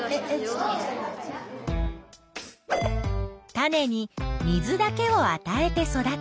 種に水だけをあたえて育てる。